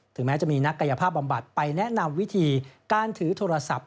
แม้จะมีนักกายภาพบำบัดไปแนะนำวิธีการถือโทรศัพท์